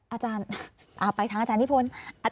อาจารย์ไปทางอาจารย์นี่พล